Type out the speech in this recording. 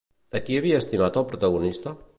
A qui havia estimat el protagonista?